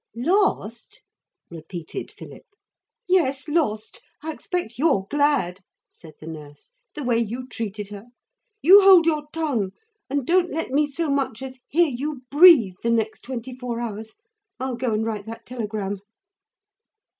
'Lost?' repeated Philip. 'Yes, lost. I expect you're glad,' said the nurse, 'the way you treated her. You hold your tongue and don't let me so much as hear you breathe the next twenty four hours. I'll go and write that telegram.'